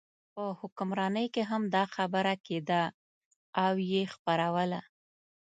په حکمرانۍ کې هم دا خبره کېده او یې خپروله.